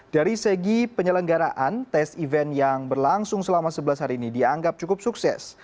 dari segi penyelenggaraan tes event yang berlangsung selama sebelas hari ini dianggap cukup sukses